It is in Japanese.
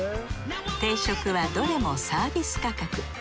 定食はどれもサービス価格。